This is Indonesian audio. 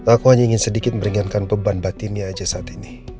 aku hanya ingin sedikit meringankan beban batinnya aja saat ini